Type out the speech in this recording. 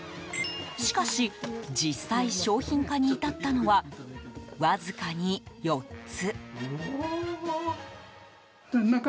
しかし実際、商品化に至ったのはわずかに４つ。